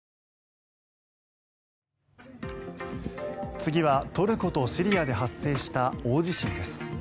次はトルコとシリアで発生した大地震です。